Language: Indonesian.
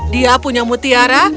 dia punya mutiara